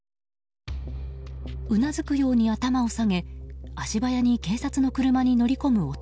うなずくように頭を下げ足早に警察の車に乗り込む男。